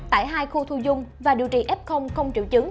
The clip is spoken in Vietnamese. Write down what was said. tại hai khu thu dung và điều trị f không triệu chứng